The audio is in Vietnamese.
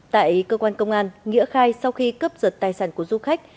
tại cơ quan công an nghĩa khai sau khi cướp giật tài sản của du khách